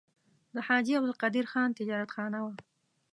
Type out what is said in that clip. د حاجي عبدالقدیر خان تجارتخانه وه.